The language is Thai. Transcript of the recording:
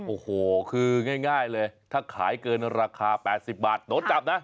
โอ้โหคือง่ายเลยถ้าขายเกินราคา๘๐บาทโดนจับนะ